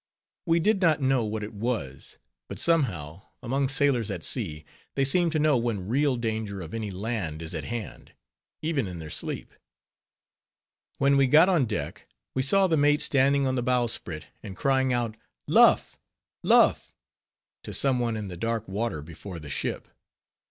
We did not know what it was; but somehow, among sailors at sea, they seem to know when real danger of any land is at hand, even in their sleep. When we got on deck, we saw the mate standing on the bowsprit, and crying out Luff! Luff! to some one in the dark water before the ship.